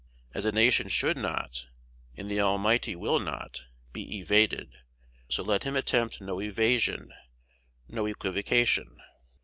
As a nation should not, and the Almighty will not, be evaded, so let him attempt no evasion, no equivocation.